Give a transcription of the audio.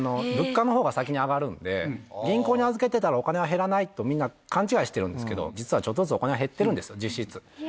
物価のほうが先に上がるんで、銀行に預けてたらお金は減らないとみんな勘違いしてるんですけど、実はちょっとずつお金が減ってるんです、実質。